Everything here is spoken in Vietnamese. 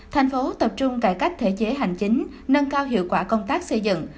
thành phố tập trung cải cách thể chế hành chính nâng cao hiệu quả công tác xây dựng